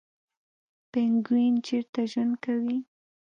پینګوین چیرته ژوند کوي؟